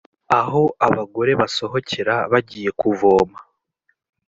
aho abagore basohokera bagiye kuvoma